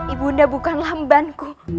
ibu nda bukan lambanku